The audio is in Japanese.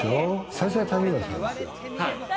最初は谷村さんですよ。